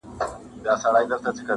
هم مُلا هم گاونډیانو ته منلی-